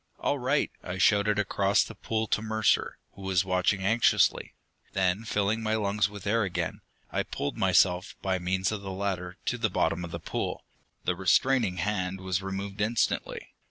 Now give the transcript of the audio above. "All right!" I shouted across the pool to Mercer, who was watching anxiously. Then, filling my lungs with air again, I pulled myself, by means of the ladder, to the bottom of the pool. The restraining hand was removed instantly.